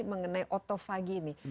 mengenai otophagy ini